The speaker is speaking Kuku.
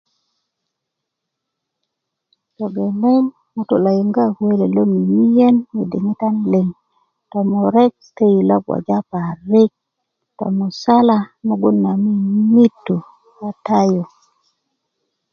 togeleŋ ŋutu' lo yiŋga kuwe loyit lo mimiyen diŋitan kune liŋ tomurek töyili lo gboja parik tomusala mugun na miimittu kata yu